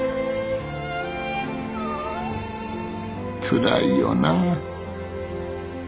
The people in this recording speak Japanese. つらいよな。